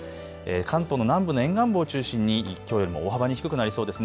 関東の南部の沿岸部を中心にきょうよりも大幅に低くなりそうです。